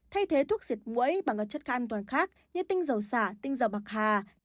thay thế thuốc diệt mũi bằng các chất an toàn khác như tinh dầu xả tinh dầu bạc hà